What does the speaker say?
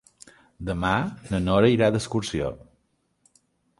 Demà na Nora irà d'excursió.